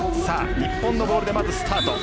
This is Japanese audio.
日本のボールでスタート。